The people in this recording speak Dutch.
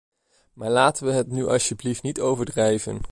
Maar laten we het nu alstublieft niet overdrijven!